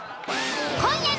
今夜の。